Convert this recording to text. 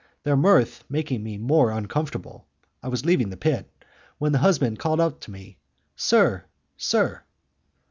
Their mirth making me more uncomfortable, I was leaving the pit, when the husband called out to me, "Sir! Sir!"